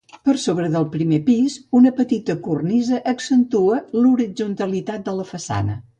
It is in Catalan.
Per sobre del primet pis una petita cornisa accentua l'horitzontalitat de la façana.